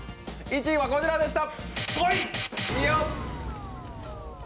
１位はこちらでした。